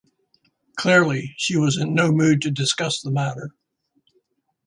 Clearly, she was in no mood to discuss the matter.